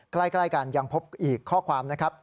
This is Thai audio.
ใกล้กันยังพบอีกข้อความนะครับ